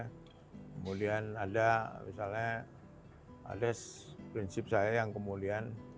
kemudian ada misalnya ada prinsip saya yang kemudian